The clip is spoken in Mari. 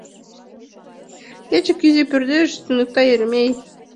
Кече кузе пӧрдеш, — туныкта Еремей.